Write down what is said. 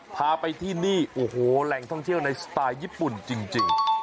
พาไปที่นี่โอ้โหแหล่งท่องเที่ยวในสไตล์ญี่ปุ่นจริง